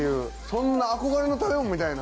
そんな憧れの食べ物みたいな？